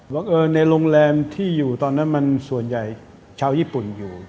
ในโรงแรมที่อยู่ตอนนั้นมันส่วนใหญ่ชาวญี่ปุ่นอยู่